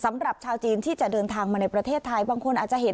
สำหรับชาวจีนที่จะเดินทางมาในประเทศไทยบางคนอาจจะเห็น